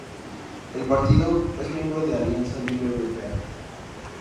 El partido es miembro de Alianza Libre Europea.